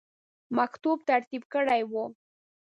مکتوب ترتیب کړی وو.